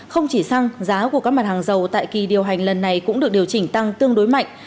không chỉ xăng giá của các mặt hàng dầu tại kỳ điều hành lần này cũng được điều chỉnh tăng tương đối mạnh